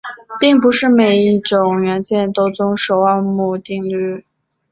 并不是每一种元件都遵守欧姆定律。